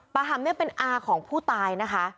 ปาหำเป็นอาของผู้ตายนะคะ